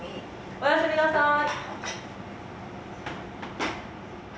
おやすみなさい。